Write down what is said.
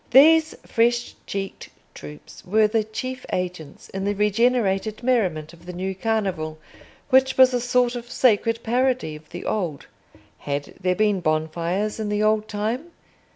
These fresh cheeked troops were the chief agents in the regenerated merriment of the new Carnival, which was a sort of sacred parody of the old. Had there been bonfires in the old time?